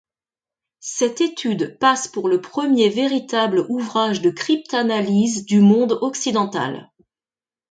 Cette étude passe pour le premier véritable ouvrage de cryptanalyse du monde occidental.